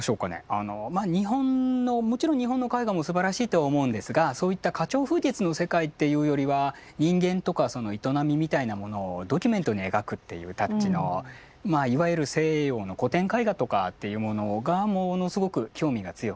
あの日本のもちろん日本の絵画もすばらしいと思うんですがそういった花鳥風月の世界っていうよりは人間とかその営みみたいなものをドキュメントに描くっていうタッチのいわゆる西洋の古典絵画とかっていうものがものすごく興味が強くて。